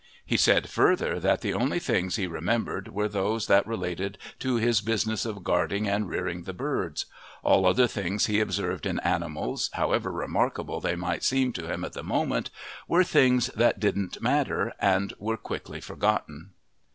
He said, further, that the only things he remembered were those that related to his business of guarding and rearing the birds; all other things he observed in animals, however remarkable they might seem to him at the moment, were things that didn't matter and were quickly forgotten.